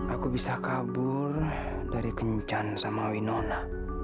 aku bisa kabur dari kencan sama winona